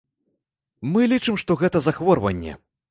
Мы лічым, што гэта захворванне.